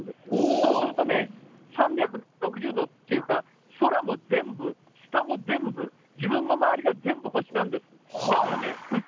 そうするとね、３６０度っていうか、空も全部、下も全部、自分の周りが全部星なんです。